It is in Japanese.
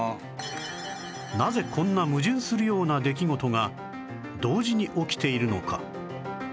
なぜこんな矛盾するような出来事が同時に起きているのか？